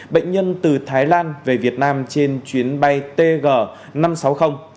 bệnh nhân từ thái lan về việt nam trên chuyến bay tg